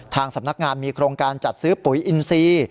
ทางสำนักงานมีโครงการจัดซื้อปุ๋ยอินซี